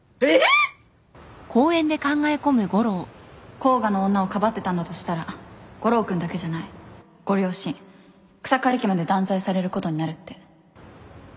甲賀の女をかばってたんだとしたら悟郎君だけじゃないご両親草刈家まで断罪されることになるって